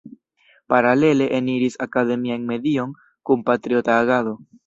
Paralele eniris akademian medion kun patriota agado.